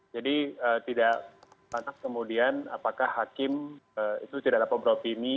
jadi tidak pantas kemudian apakah hakim itu tidak dapat beropini